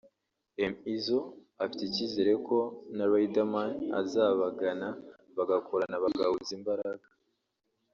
M izzle afite icyizere ko na Riderman azabagana bagakorana bagahuza imbaraga